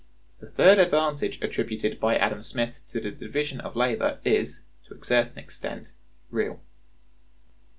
The third advantage attributed by Adam Smith to the division of labor is, to a certain extent, real.